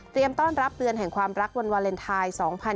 ต้อนรับเดือนแห่งความรักวันวาเลนไทย๒๕๖๒